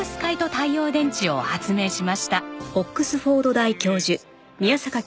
太陽電池を発明しました。